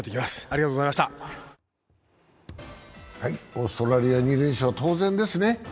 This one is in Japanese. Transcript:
オーストラリアに連勝、当然ですね。